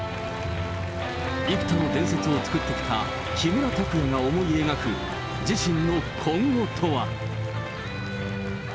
幾多の伝説を作ってきた木村拓哉が思い描く、自身の今後とは。